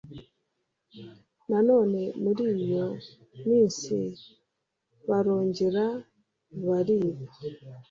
Nanone muri iyo minsibarongera bariba